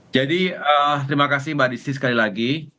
jadi terima kasih mbak adisti sekali lagi